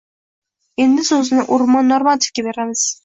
Endi so‘zni O‘rmon Normatovga beramiz.